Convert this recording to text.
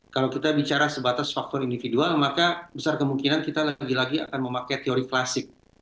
kalau kita bicara sebatas faktor individual maka besar kemungkinan kita lagi lagi akan memakai teori klasik